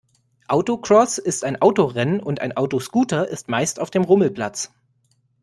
Autocross ist ein Autorennen und ein Autoscooter ist meist auf dem Rummelplatz.